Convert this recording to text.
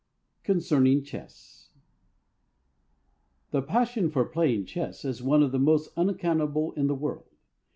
CONCERNING CHESS The passion for playing chess is one of the most unaccountable in the world.